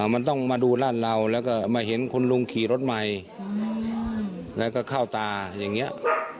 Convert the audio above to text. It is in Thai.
มันต้องมาดูร่านเราแล้วก็มาเห็นคุณลุงขี่รถใหม่แล้วก็เข้าตาอย่างนี้